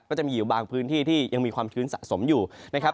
ก็จะมีอยู่บางพื้นที่ที่ยังมีความชื้นสะสมอยู่นะครับ